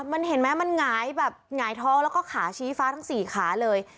มันเห็นไหมมันหงายแบบหงายท้องแล้วก็ขาชี้ฟ้าทั้งสี่ขาเลย